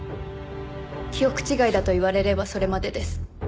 記憶違いだと言われればそれまでです。